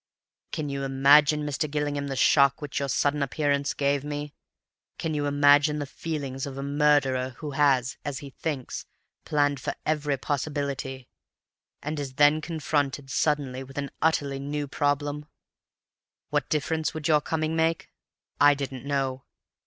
"Can you imagine, Mr. Gillingham, the shock which your sudden appearance gave me? Can you imagine the feelings of a 'murderer' who has (as he thinks) planned for every possibility, and is then confronted suddenly with an utterly new problem? What difference would your coming make? I didn't know.